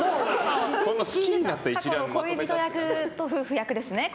恋人役と夫婦役ですね。